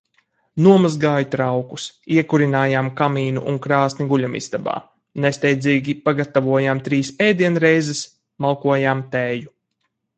Nomazgāju traukus, iekurinājām kamīnu un krāsni guļamistabā, nesteidzīgi pagatavojām trīs ēdienreizes, malkojām tēju.